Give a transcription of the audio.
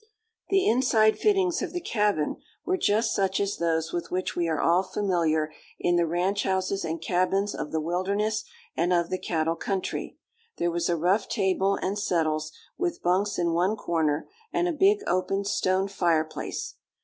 The inside fittings of the cabin were just such as those with which we are all familiar in the ranch houses and cabins of the wilderness and of the cattle country. There was a rough table and settles, with bunks in one corner, and a big open stone fireplace.